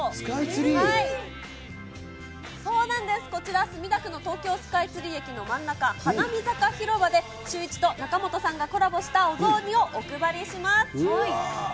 そうなんです、こちら、墨田区のとうきょうスカイツリー駅の真ん中、ハナミ坂ひろばでシューイチと中本さんがコラボしたお雑煮をお配りします。